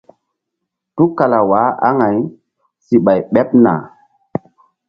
Tukala waah aŋay si ɓay ɓeɓ na.